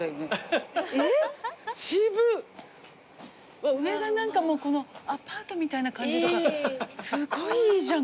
うわ上が何かアパートみたいな感じとかすごいいいじゃん